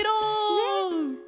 ねっ！